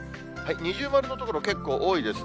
二重丸の所、結構多いですね。